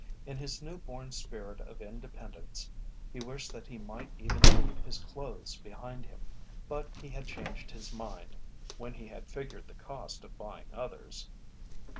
In his new born spirit of independence he wished that he might even leave his clothes behind him, but he had changed his mind when he had figured the cost of buying others.